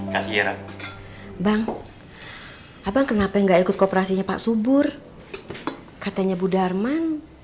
kasih ya bang bang kenapa enggak ikut kooperasinya pak subur katanya bu darman